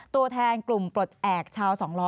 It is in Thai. ตัวแทนกลุ่มปลดแอบชาวสองล้อ